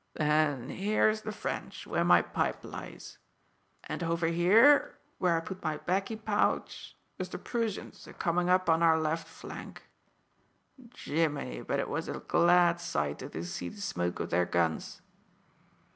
"Then here's the French, where my pipe lies; and over here, where I put my baccy pouch, was the Proosians a comin' up on our left flank. Jimini, but it was a glad sight to see the smoke of their guns!"